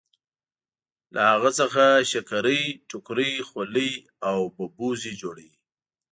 له هغه څخه شکرۍ ټوکرۍ خولۍ او ببوزي جوړوي.